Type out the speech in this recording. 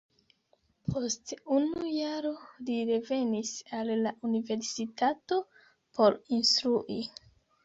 Post unu jaro li revenis al la universitato por instrui.